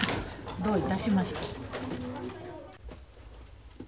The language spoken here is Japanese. どういたしまして。